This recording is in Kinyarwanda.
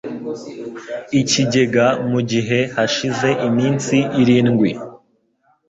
ikigega Mu gihe hashize iminsi irindwi